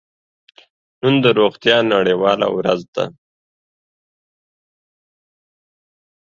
نن د روغتیا نړیواله ورځ ده.